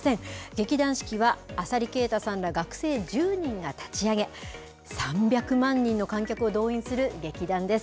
劇団四季は浅利慶太さんら学生１０人が立ち上げ、３００万人の観客を動員する劇団です。